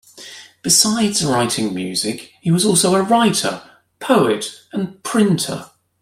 Besides writing music, he was also a writer, poet, and printer.